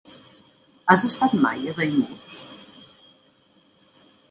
Has estat mai a Daimús?